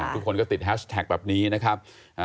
ทุกคนก็ติดแฮชแท็กแบบนี้นะครับ